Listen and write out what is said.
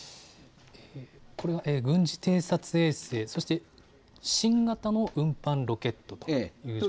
これは軍事偵察衛星、そして、新型の運搬ロケットという情報ですか。